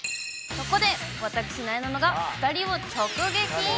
そこで私、なえなのが、２人を直撃。